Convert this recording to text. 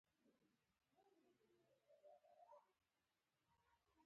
چې درز شو او يو تن شهادي والوزول شو.